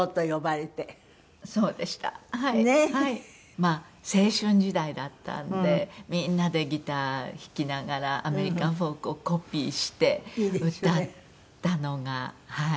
まあ青春時代だったんでみんなでギター弾きながらアメリカンフォークをコピーして歌ったのがはい。